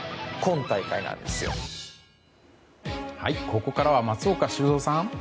ここからは松岡修造さん。